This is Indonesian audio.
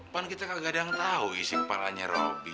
kan kita gak ada yang tahu isi kepalanya robi